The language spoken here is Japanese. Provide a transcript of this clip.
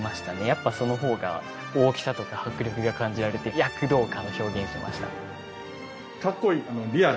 やっぱその方が大きさとか迫力が感じられて躍動感を表現しました。